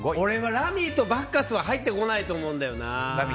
ラミーとバッカスは入ってこないと思うんだよな。